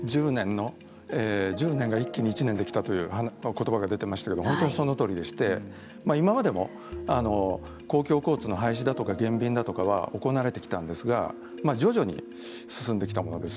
１０年が一気に１年で来たということばが出ていましたけど本当にそのとおりでして今までも公共交通の廃止だとか減便だとかは行われてきたんですが徐々に進んできたものです。